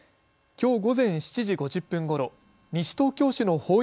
きょう午前７時５０分ごろ西東京市の保